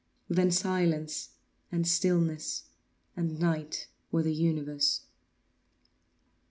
Then silence, and stillness, night were the universe.